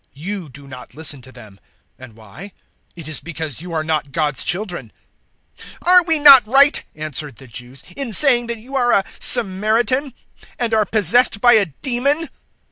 You do not listen to them: and why? It is because you are not God's children." 008:048 "Are we not right," answered the Jews, "in saying that you are a Samaritan and are possessed by a demon?"